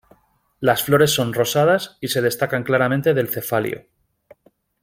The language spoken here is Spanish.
Las flores son rosadas y se destacan claramente del cefalio.